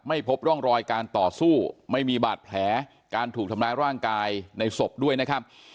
พบร่องรอยการต่อสู้ไม่มีบาดแผลการถูกทำร้ายร่างกายในศพด้วยนะครับ